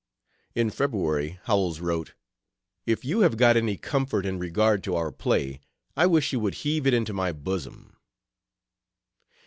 In February, Howells wrote: "If you have got any comfort in regard to our play I wish you would heave it into my bosom."